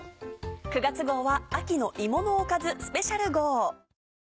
９月号は秋の芋のおかずスペシャル号。